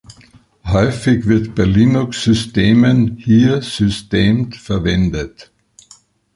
Häufig wird bei Linux-Systemen hier systemd verwendet.